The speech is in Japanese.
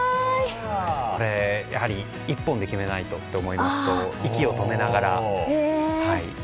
やはり１本で決めないとと思うと息を止めながら。